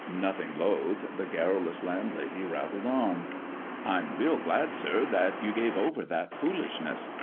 Nothing loth, the garrulous landlady rattled on. " I'm real glad, sir, that you gave over that foolishness.